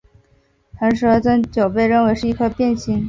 螣蛇增九被认为是一颗变星。